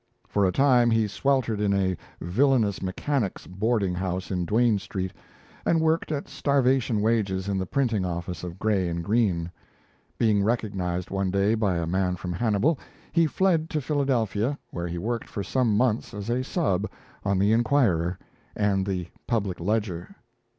For a time he sweltered in a villainous mechanics' boarding house in Duane Street, and worked at starvation wages in the printing office of Gray & Green. Being recognized one day by a man from Hannibal, he fled to Philadelphia where he worked for some months as a "sub" on the 'Inquirer' and the 'Public Ledger'.